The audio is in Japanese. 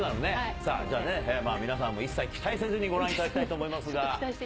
さあ、じゃあね、皆さんも一切期待せずにご覧いただきたいと思いますが。